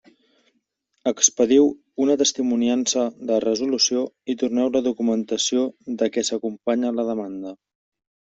Expediu una testimoniança de la resolució i torneu la documentació de què s'acompanya la demanda.